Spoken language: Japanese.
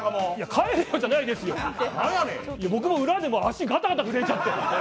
帰れよじゃないですよ、僕、裏で足、ガタガタ震えちゃって。